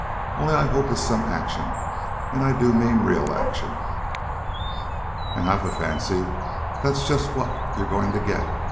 Only I hope it's some action. And I do mean real action!" "And I've a fancy that's just what you're going to get!"